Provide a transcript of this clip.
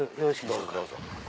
どうぞどうぞ。